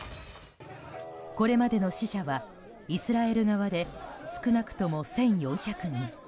これまでの死者はイスラエル側で少なくとも１４００人。